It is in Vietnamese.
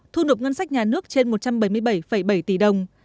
thu nộp ngân sách nhà nước trên một trăm bảy mươi bảy bảy tỷ đồng